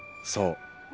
そう。